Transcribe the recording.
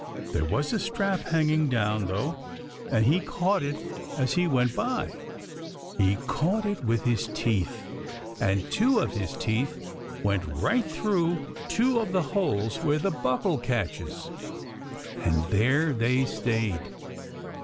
There was a strap hanging down, though, and he caught it as he went by. He caught it with his teeth, and two of his teeth went right through two of the holes where the buckle catches, and there they stayed.